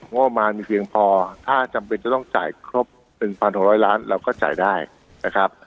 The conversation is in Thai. ประมาณมีเพียงพอถ้าจำเป็นจะต้องจ่ายครบ๑๖๐๐ล้านเราก็จ่ายได้นะครับ